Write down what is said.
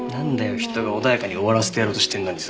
人が穏やかに終わらせてやろうとしてるのにさ。